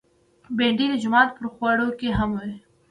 بېنډۍ د جومات پر خواړه کې هم وي